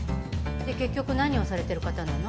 で結局何をされてる方なの？